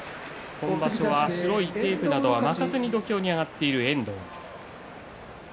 今場所は白いテープなどを巻かずに土俵に上がっている遠藤。